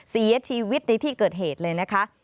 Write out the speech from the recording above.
เสียชีวิตในที่เกิดเหตุเลยนะคะ